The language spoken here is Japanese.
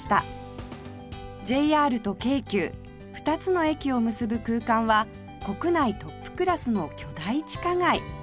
ＪＲ と京急２つの駅を結ぶ空間は国内トップクラスの巨大地下街